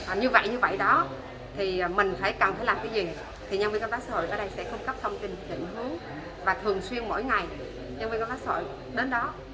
và thường xuyên mỗi ngày nhân viên công tác xã hội đến đó